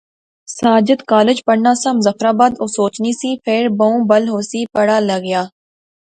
ساجد کالج پڑھنا سا، مظفرآباد، او سوچنی سی، فیر بہوں بل ہوسی پڑھا لیغا